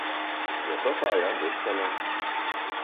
Ja, så tager jeg en luftballon!